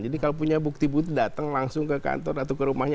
jadi kalau punya bukti bukti datang langsung ke kantor atau ke rumahnya